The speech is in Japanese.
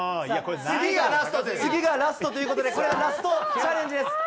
次がラストということで、これがラストチャレンジです。